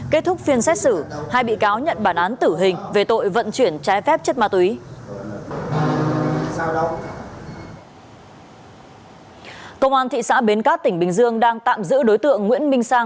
kết thúc phiên xét xử hai bị cáo nhận bản án tử hình về tội vận chuyển trái phép chất ma túy